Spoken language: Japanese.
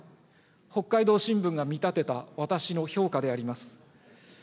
北海道新聞が見立てた、私の評価であります。